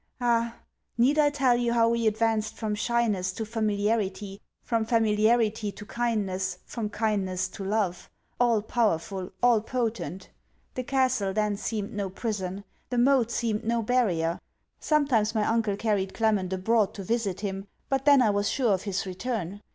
Ah! need I tell you how we advanced from shyness to familiarity, from familiarity to kindness, from kindness to love, all powerful, all potent! The castle then seemed no prison; the moat seemed no barrier. Sometimes my uncle carried Clement abroad to visit him, but then I was sure of his return.